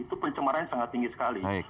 itu pencemaran yang sangat tinggi sekali